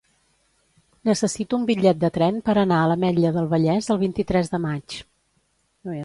Necessito un bitllet de tren per anar a l'Ametlla del Vallès el vint-i-tres de maig.